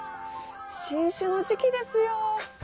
新酒の時季ですよ。